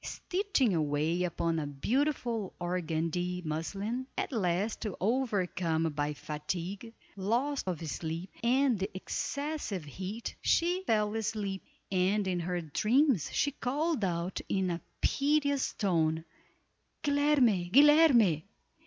Stitching away upon a beautiful organdie muslin, at last overcome by fatigue, loss of sleep, and the excessive heat, she fell asleep, and in her dreams she called out in a piteous tone, "Guilerme! Guilerme!"